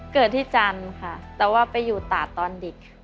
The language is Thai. เกิดที่จันทร์ค่ะแต่ว่าไปอยู่ตาดตอนเด็ก